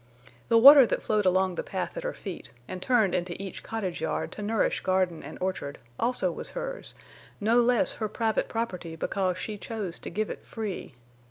The water that flowed along the path at her feet, and turned into each cottage yard to nourish garden and orchard, also was hers, no less her private property because she chose to give it free.